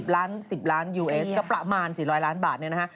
๑๐ล้านยูเอสก็ประมาณ๔๐๐ล้านบาทเนี่ยนะฮะ